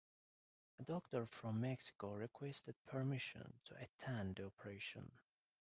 A doctor from Mexico requested permission to attend the operation.